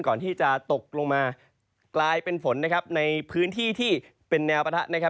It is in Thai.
ก่อนที่จะตกลงมากลายเป็นฝนในพื้นที่ที่เป็นแนวประทะ